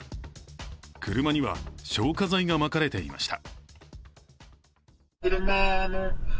車には消火剤がまかれていました。